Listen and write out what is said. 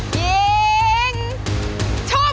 เปายิงชุบ